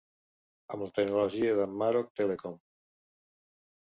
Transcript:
Amb la tecnologia de Maroc Telecom.